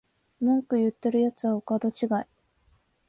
文句言ってるやつはお門違い